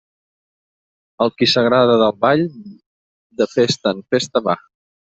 El qui s'agrada del ball, de festa en festa va.